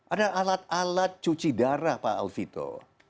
ada alat alat cuci darah pak alvito